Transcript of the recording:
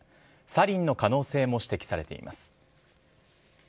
サリンの可能性も指摘されています。